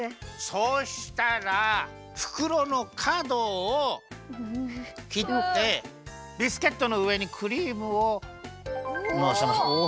そうしたらふくろのかどをきってビスケットのうえにクリームをのせましょう。